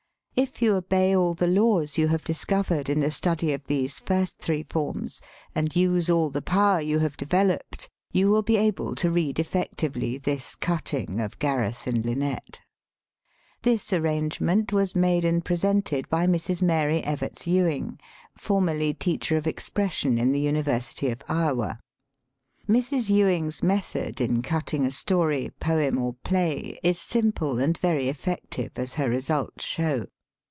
If you obey all the laws you have discovered in the study of these first three forms, and use all the power you have developed, you will be able to read effectively this cutting of "Gareth and Lynette." This arrangement was made and presented by Mrs. Mary Everts Ewing, formerly teacher of expression in the University of Iowa. Mrs. Ewing's method in cutting a story, poem, or play is simple and very effective, as her results show.